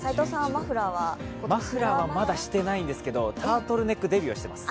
マフラーはまだしていないですけれども、タートルネックデビューはしています。